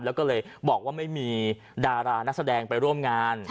แล้วก็เลยบอกว่าไม่มีดารานักแสดงไปร่วมงาน